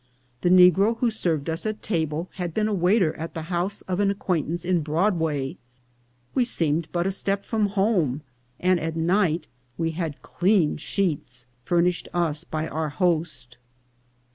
The negro who served us at table had been waiter at the house of an acquaintance in Broadway ; we seemed but a step from home, and at night we had clean sheets furnished us by our host.